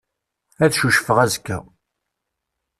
Ad cucfeɣ azekka.